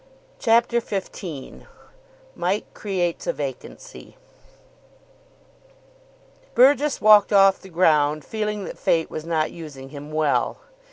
CHAPTER XV MIKE CREATES A VACANCY Burgess walked off the ground feeling that fate was not using him well.